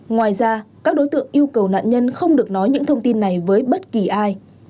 ngoài ra các đối tượng yêu cầu nạn nhân không được nói những thông tin này với bất kỳ ai